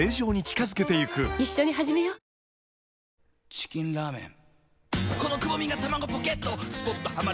チキンラーメン。